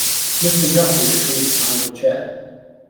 Mr. Guppy retreats behind a chair.